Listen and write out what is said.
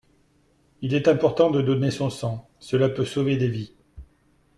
Il est important de donner son sang, cela peut sauver des vies.